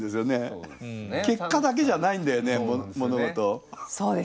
結果だけじゃないんだよね物事。